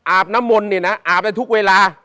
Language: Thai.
บน้ำมนต์เนี่ยนะอาบได้ทุกเวลา